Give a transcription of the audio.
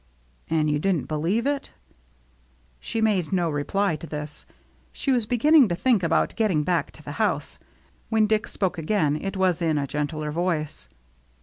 " And you didn't believe it ?" She made no reply to this. She was be ginning to think about getting back to the house. When Dick spoke again, it was in a gentler voice.